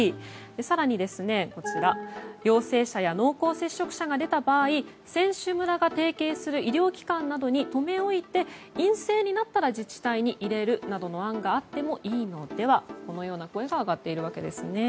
更に陽性者や濃厚接触者が出た場合選手村が提携する医療機関などに留め置いて、陰性になったら自治体に入れるなどの案があってもいいのではという声が上がっているわけですね。